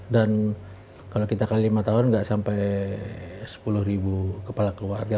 dan kalau kita kali lima tahun nggak sampai sepuluh kepala keluarga